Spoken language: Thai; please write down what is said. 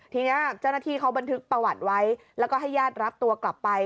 ทีนี้เจ้าหน้าที่เขาบันทึกประวัติไว้แล้วก็ให้ญาติรับตัวกลับไป